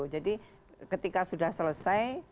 jadi ketika sudah selesai